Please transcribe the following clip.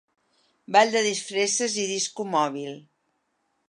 Ball de disfresses i disco mòbil.